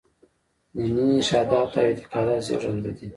دیني ارشاداتو او اعتقاد زېږنده دي.